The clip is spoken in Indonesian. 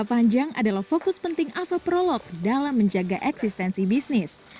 jangka panjang adalah fokus penting ava prolog dalam menjaga eksistensi bisnis